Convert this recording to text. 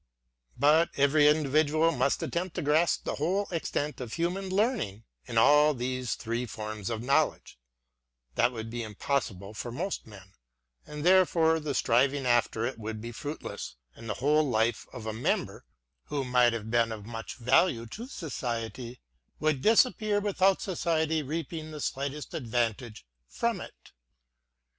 But every individual must not attempt to grasp the whole extent of human Learning in all these three forms of Know ledge; — that would be impossible for most men; and therefore the striving after it would be fruitless, and the whole life of a member, who might have been of much value to society, would disappear without society reaping the slightest advantage from it.